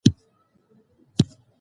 هغې وویل واکسین ژوند ژغورلی شي.